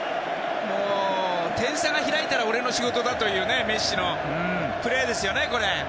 点差が開いたら俺の仕事だというメッシのプレーですよね。